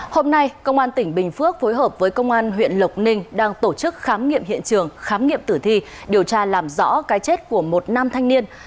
hôm nay công an tỉnh bình phước phối hợp với công an huyện lộc ninh đang tổ chức khám nghiệm hiện trường khám nghiệm tử thi điều tra làm rõ cái chết của một nam thanh niên